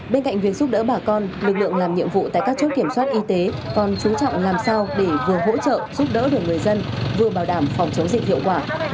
bên cạnh việc giúp đỡ bà con lực lượng làm nhiệm vụ tại các chốt kiểm soát y tế còn chú trọng làm sao để vừa hỗ trợ giúp đỡ được người dân vừa bảo đảm phòng chống dịch hiệu quả